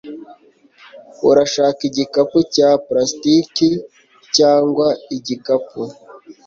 Urashaka igikapu cya plastiki cyangwa igikapu?